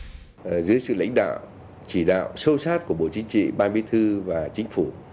dưới sự lãnh đạo chỉ đạo sâu sát của bộ chính trị ban bí thư và chính phủ